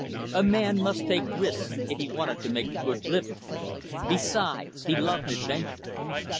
A man must take risks, if he wanted to make a good living. Besides, he loved adventure.